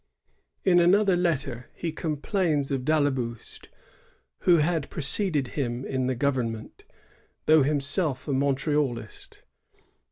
In another letter he complains of d' Ailleboust, who had preceded him in the goyemment, though himself a Montrealist.